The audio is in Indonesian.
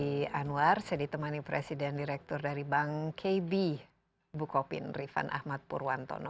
desi anwar saya ditemani presiden direktur dari bank kb bukopin rifan ahmad purwantono